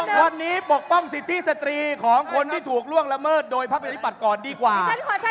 วันนี้ปกป้องสิทธิสตรีของคนที่ถูกล่วงละเมิดโดยพักประชาธิปัตย์ก่อนดีกว่า